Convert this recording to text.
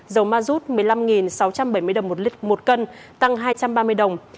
dầu ma rút một mươi năm sáu trăm bảy mươi đồng một lít một cân tăng hai trăm ba mươi đồng